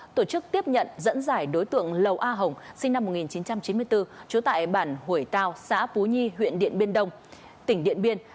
tổ chức tiếp nhận dẫn giải đối tượng lầu a hồng sinh năm một nghìn chín trăm chín mươi bốn trú tại bản hủy tao xã pú nhi huyện điện biên đông tỉnh điện biên